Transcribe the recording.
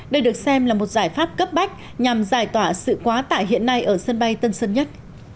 đây được xem là một giải pháp cấp bách nhằm giải tỏa sự quá tải hiện nay ở sân bay tân sơn nhất